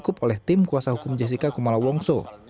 cukup oleh tim kuasa hukum jessica kumala wongso